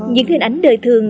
những hình ảnh đời thường